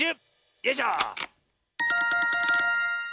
よいしょ。